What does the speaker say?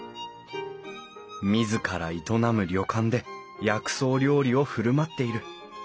自ら営む旅館で薬草料理を振る舞っている。